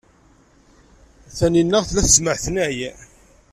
Taninna tella tettemɛetnay.